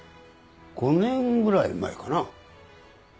５年ぐらい前かな。